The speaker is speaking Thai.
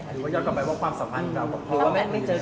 หรือว่ายอดกลับไปกว่าความสำหรับเราเพราะว่าแม่ไม่เจอกันเลย